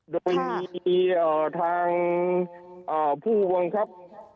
โดยมีทางผู้บังคับ